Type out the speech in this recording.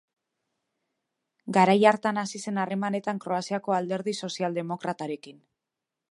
Garai hartan hasi zen harremanetan Kroaziako Alderdi Sozialdemokratarekin.